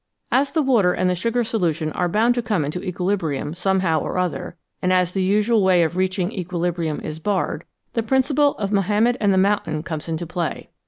As the water and the sugar solution are bound to come into equili brium somehow or other, and as the usual way of reaching equilibrium is barred, the principle of Mahomet and the mountain comes into play.